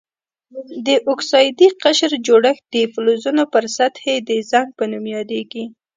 د اکسایدي قشر جوړښت د فلزونو پر سطحې د زنګ په نوم یادیږي.